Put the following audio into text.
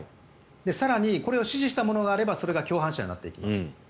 更にこれを指示したものがあればそれが共犯者になっていくんです。